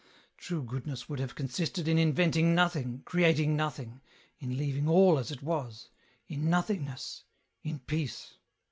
True goodness would have consisted in inventing nothing, creating nothing, in leaving all as it was, in nothing ness, in peace."